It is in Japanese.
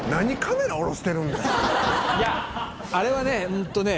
「いやあれはねうんとね